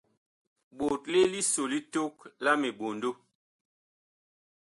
Ɓotle liso li tok la miɓondo.